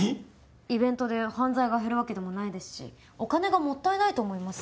イベントで犯罪が減るわけでもないですしお金がもったいないと思います。